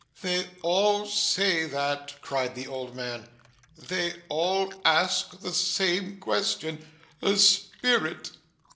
'They all say that!' cried the old man. 'They all ask the same question. A spirit!